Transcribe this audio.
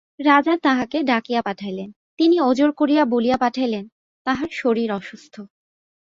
রাজা তাঁহাকে ডাকিয়া পাঠাইলেন, তিনি ওজর করিয়া বলিয়া পাঠাইলেন, তাঁহার শরীর অসুস্থ।